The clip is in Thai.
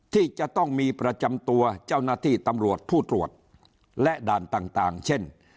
ที่จะต้องมีประจำตัวเจ้าหน้าที่ตำรวจผู้ตรวจและด่านต่างเช่น